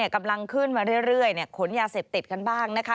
กำลังขึ้นมาเรื่อยขนยาเสพติดกันบ้างนะคะ